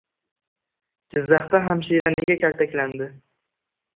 Jizzaxda hamshira nega kaltaklandi?